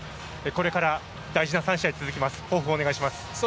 これから、大事な３試合が続きます。